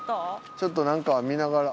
ちょっとなんか見ながら。